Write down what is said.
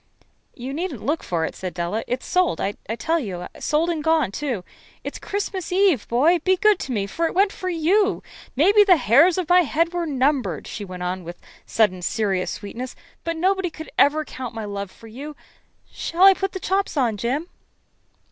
"You needn't look for it," said Della. "It's sold, I tell you sold and gone, too. It's Christmas Eve, boy. Be good to me, for it went for you. Maybe the hairs of my head were numbered," she went on with a sudden serious sweetness, "but nobody could ever count my love for you. Shall I put the chops on, Jim?"